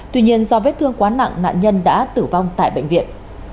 tuy nhiên do vết thương quá nặng nạn nhân đã tử vong tại bệnh viện